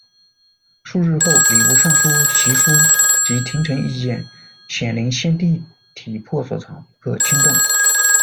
数日后，礼部尚书席书集廷臣意见：“显陵先帝体魄所藏，不可轻动。